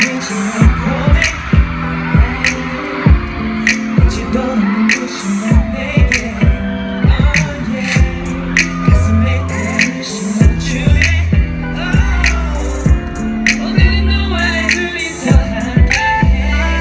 โอเคครับขอเพลงหน่อย